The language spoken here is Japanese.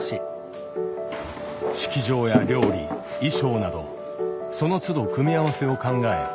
式場や料理衣装などそのつど組み合わせを考え